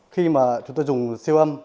khi mà chúng tôi dùng siêu âm